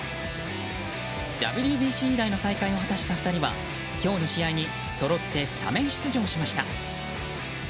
ＷＢＣ以来の再会を果たした２人は、今日の試合にそろってスタメン出場しました。